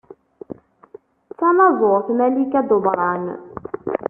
D tnaẓurt Malika Dumran.